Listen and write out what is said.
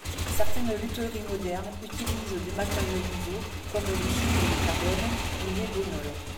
Certaines lutheries modernes utilisent des matériaux nouveaux comme les fibres de carbone ou l'ébonol.